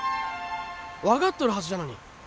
分かっとるはずじゃのに。